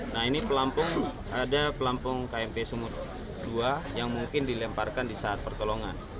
nah ini pelampung ada pelampung kmp sumur dua yang mungkin dilemparkan di saat pertolongan